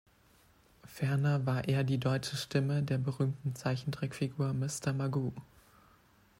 Ferner war er die deutsche Stimme der berühmten Zeichentrickfigur Mister Magoo.